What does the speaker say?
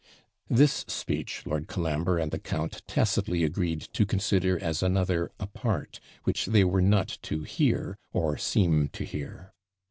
This speech Lord Colombre and the count tacitly agreed to consider as another APART, which they were not to hear, or seem to hear.